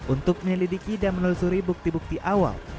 untuk menyelidiki dan menelusuri bukti bukti awal